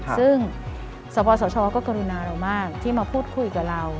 ซึ่งสปสชก็กรุณาเรามากที่มาพูดคุยกับเรา